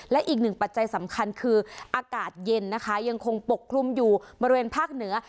และอีกหนึ่งปัจจัยสำคัญคืออากาศเย็นนะคะยังคงปกคลุมอยู่บริเวณภาคเหนือ